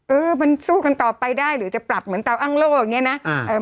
เออมันสู้กันต่อไปได้หรือจะปรับเหมือนเตาอ้างโล่อย่างนี้นะ